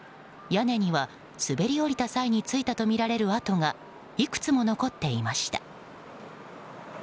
屋根には、滑り降りた際についたとみられる跡がいくつも残っていました。